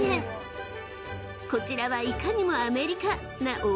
［こちらはいかにもアメリカな］